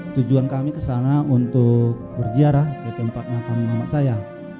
tujuan kami kesana untuk berziarah ke tempat makam muhammad saya